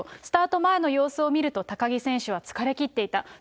スタート前の様子を見ると、高木選手は疲れ切っていた。